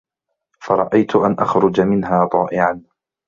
فَرَأَيْت أَنْ أَخْرُجَ مِنْهَا طَائِعًا